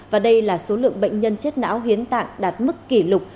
và đây là số lượng bệnh nhân chết não hiến tạng đạt mức kỷ lục